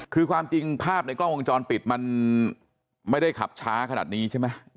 คือความจริงภาพในกล้องวงจรปิดมันไม่ได้ขับช้าขนาดนี้ใช่ไหม